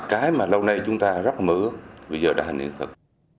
cái mà lâu nay chúng ta rất mưa bây giờ đã hành hiện thực